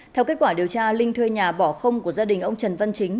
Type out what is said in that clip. theo kết quả điều tra linh thuê nhà bỏ không của gia đình ông trần văn chính